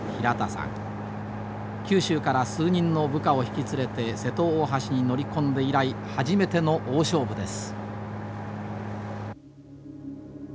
九州から数人の部下を引き連れて瀬戸大橋に乗り込んで以来初めての大勝負です。